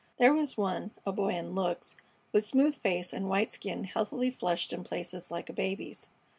There was one, a boy in looks, with smooth face and white skin healthily flushed in places like a baby's.